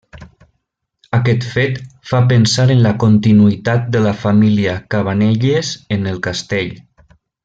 Aquest fet fa pensar en la continuïtat de la família Cabanelles en el castell.